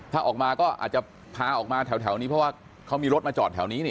ถ้าออกมาก็อาจจะพาออกมาแถวนี้เพราะว่าเขามีรถมาจอดแถวนี้